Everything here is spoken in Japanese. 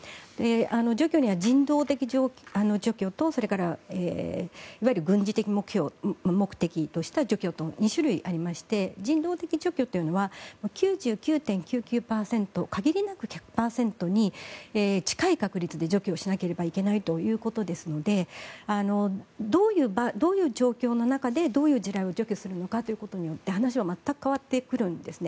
除去には人道的除去と、それからいわゆる軍事的目的とした除去と２種類ありまして人道的除去というのは９９．９９％限りなく１００％に近い確率で除去しなければいけないということですのでどういう状況の中でどういう地雷を除去するのかということによって話は全く変わってくるんですね。